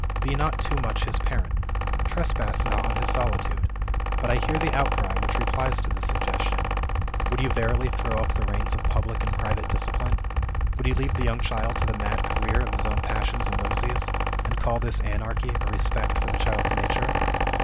Be not too much his parent. Trespass not on his solitude. But I hear the outcry which replies to this suggestion: Would you verily throw up the reins of public and private discipline; would you leave the young child to the mad career of his own passions and whimsies, and call this anarchy a respect for the child's nature?